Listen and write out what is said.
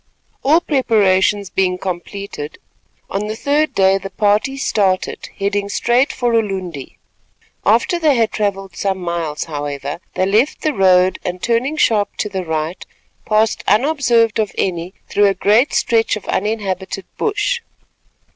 All preparations being completed, on the third day the party started, heading straight for Ulundi. After they had travelled some miles, however, they left the road and turning sharp to the right, passed unobserved of any through a great stretch of uninhabited bush.